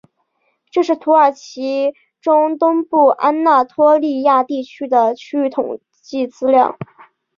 这是土耳其中东部安那托利亚地区的区域统计资料。